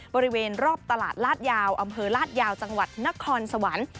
บริเวณรอบตลาดลาดยาวอำเภอลาดยาวจังหวัดนครสวรรค์